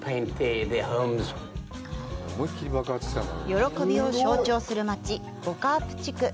喜びを象徴する街、ボ・カープ地区。